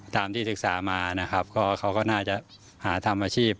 ที่ศึกษามานะครับก็เขาก็น่าจะหาทำอาชีพ